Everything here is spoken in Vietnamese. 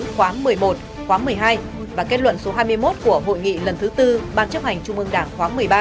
khóa một mươi một khóa một mươi hai và kết luận số hai mươi một của hội nghị lần thứ tư ban chấp hành trung ương đảng khóa một mươi ba